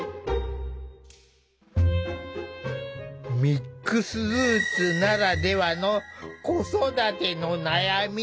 ミックスルーツならではの子育ての悩み。